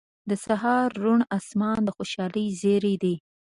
• د سهار روڼ آسمان د خوشحالۍ زیری دی.